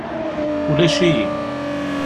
Ulac-iyi.